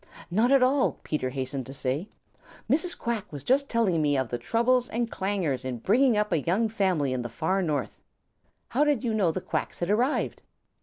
"Not at all," Peter hastened to say. "Mrs. Quack was just telling me of the troubles and clangers in bringing up a young family in the Far North. How did you know the Quacks had arrived?"